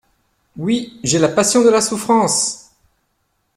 Oui, j’ai la passion de la souffrance!